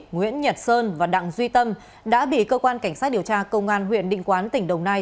nguyễn nhật sơn và đặng duy tâm đã bị cơ quan cảnh sát điều tra công an huyện định quán tỉnh đồng nai